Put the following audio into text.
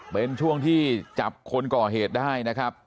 เป็นช่วงที่จับคนก่อเหตุได้นะครับ